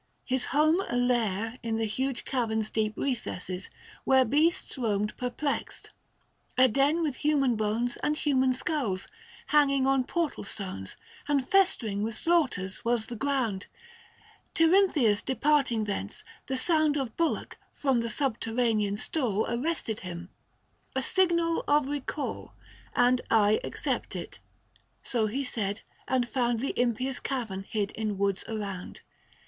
his home a lair In the huge cavern's deep recesses, where Beasts roamed perplexed ; a den with human bones 590 And human skulls, hanging on portal stones, And festering with slaughters was the ground : Tirynthius departing thence, the sound Of bullock, from the subterranean stall Arrested him :" A signal of recall, 595 And I accept it," — so he said, and found The impious cavern hid in woods around.